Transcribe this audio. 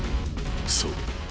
そう。